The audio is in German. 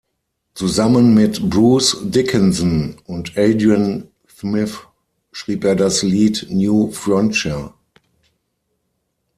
Zusammen mit Bruce Dickinson und Adrian Smith schrieb er das Lied "New Frontier".